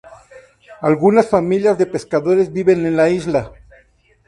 Algunas familias de pescadores viven en la isla.